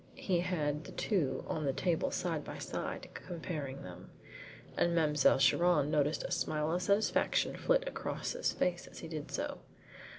He had the two on the table side by side comparing them, and Mademoiselle Chiron noticed a smile of satisfaction flit across his face as he did so.